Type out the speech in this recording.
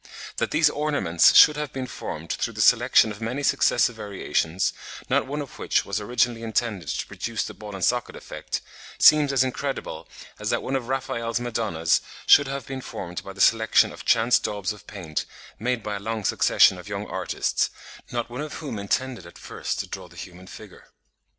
That these ornaments should have been formed through the selection of many successive variations, not one of which was originally intended to produce the ball and socket effect, seems as incredible as that one of Raphael's Madonnas should have been formed by the selection of chance daubs of paint made by a long succession of young artists, not one of whom intended at first to draw the human figure.